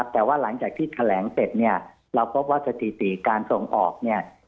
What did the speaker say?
แต่ว่าหลังจากที่แถลงเสร็จเนี่ยเราพบว่าสถิติการส่งออกเนี่ย